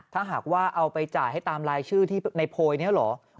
ถ้าหากว่าเอาไปจ่ายให้ตามรายชื่อที่ในโพยนี้เหรอ